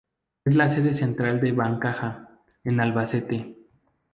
Es la sede central de Bancaja en Albacete.